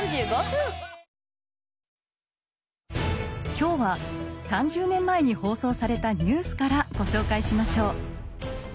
今日は３０年前に放送されたニュースからご紹介しましょう。